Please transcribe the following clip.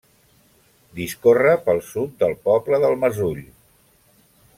Discorre pel sud del poble del Mesull.